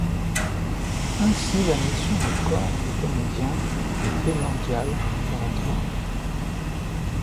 Ainsi la notion du corps du comédien est primordiale pour la troupe.